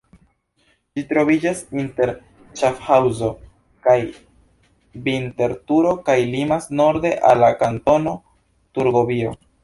Ĝi troviĝas inter Ŝafhaŭzo kaj Vinterturo kaj limas norde al la Kantono Turgovio.